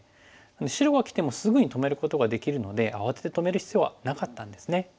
白がきてもすぐに止めることができるので慌てて止める必要はなかったんですね。